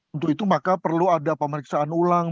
untuk itu maka perlu ada pemeriksaan ulang